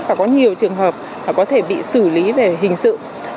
và có nhiều trường hợp có thể bị xử lý về hình sự